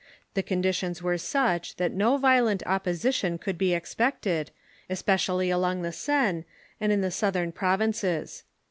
The conditions were such that no violent The Protestant opposition could be expected, especially along the Ferment Seine and in the southern provinces.